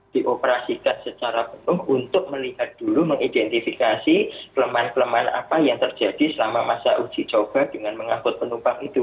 dioperasikan secara penuh untuk melihat dulu mengidentifikasi kelemahan kelemahan apa yang terjadi selama masa uji coba dengan mengangkut penumpang itu